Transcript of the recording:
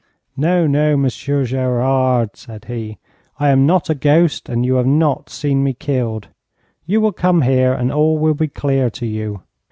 'No, no, Monsieur Gerard,' said he, 'I am not a ghost, and you have not seen me killed. You will come here, and all will be clear to you.'